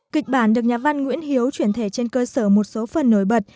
kịch bản được nhà văn nguyễn hiếu chuyển thể trên cơ sở một số phần nổi bật